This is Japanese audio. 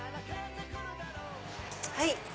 はい。